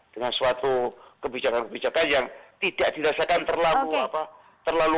dengan suatu kebijakan kebijakan yang tidak dirasakan terlalu